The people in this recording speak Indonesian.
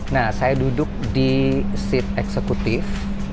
nah saya duduk di seat eksekutif